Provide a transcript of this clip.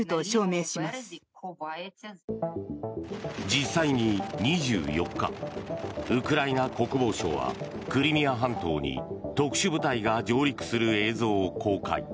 実際に２４日ウクライナ国防省はクリミア半島に特殊部隊が上陸する映像を公開。